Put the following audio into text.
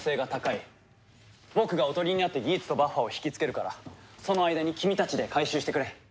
僕がおとりになってギーツとバッファを引きつけるからその間に君たちで回収してくれ。